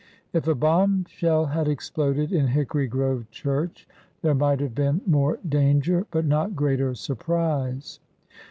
If a bomb shell had exploded in Hickory Grove church there might have been more danger, but not greater sur prise.